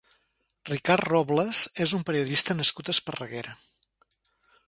Ricard Robles és un periodista nascut a Esparreguera.